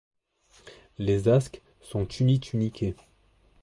Les asques sont unituniqués.